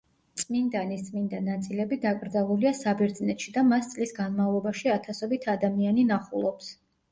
წმინდანის წმინდა ნაწილები დაკრძალულია საბერძნეთში და მას წლის განმავლობაში ათასობით ადამიანი ნახულობს.